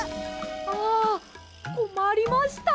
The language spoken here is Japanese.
あこまりました。